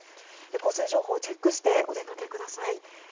交通情報をチェックしてお出かけください。